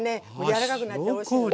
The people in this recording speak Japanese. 柔らかくなっておいしいの。